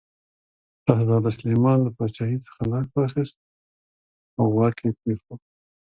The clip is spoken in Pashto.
شهزاده سلیمان له پاچاهي څخه لاس واخیست او واک یې پرېښود.